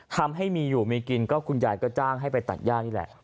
ทำให้มีอยู่มีกินก็คุณยายก็จ้างให้ไปตัดย่านี่แหละ